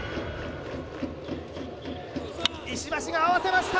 石橋が合わせました